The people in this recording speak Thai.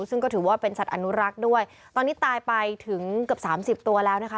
ซึ่งก็ถือว่าเป็นสัตว์อนุรักษ์ด้วยตอนนี้ตายไปถึงเกือบสามสิบตัวแล้วนะคะ